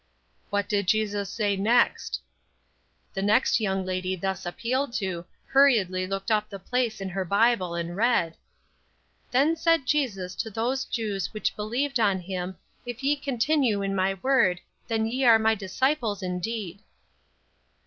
"What did Jesus say next?" The next young lady thus appealed to, hurriedly looked up the place in her Bible and read: "'Then said Jesus to those Jews which believed on him, if ye continue in my word, then are ye my disciples indeed.'"